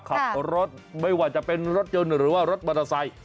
ขับรถไม่ว่าจะเป็นรถยนต์หรือว่ารถมอเตอร์ไซค์